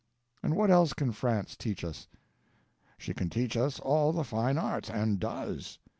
And what else can France teach us? She can teach us all the fine arts and does.